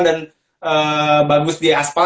dan bagus di aspal